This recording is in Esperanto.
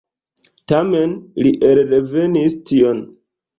Tamen li elrevis tion.